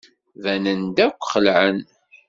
Banen-d akk xelɛen.